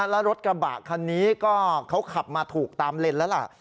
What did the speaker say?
แล้วรถกระบะคันนี้ก็เขาขับมาถูกตามเลนแล้วล่ะ